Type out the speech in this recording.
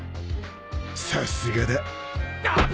さすがだ。